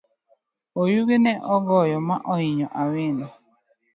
Oyugi ne ogoyo ma oinyo awino.